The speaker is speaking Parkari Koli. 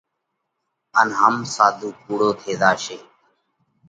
ان هم ساڌُو ڪُوڙو ٿي زاشي۔